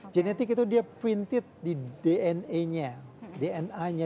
genetik itu dia terpinted di dna nya